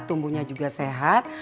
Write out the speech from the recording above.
tumbuhnya juga sehat